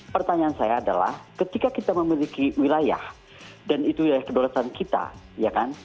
pertanyaan saya adalah ketika kita memiliki wilayah dan itu wilayah kedolasan kita ya kan